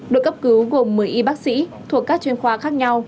đội cấp cứu gồm một mươi y bác sĩ thuộc các chuyên khoa khác nhau